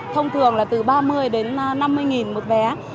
thông thường là từ ba mươi năm mươi một vé